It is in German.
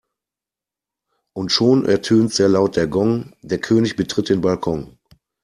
Und schon ertönt sehr laut der Gong, der König betritt den Balkon.